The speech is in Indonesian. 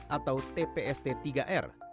atau tpst tiga r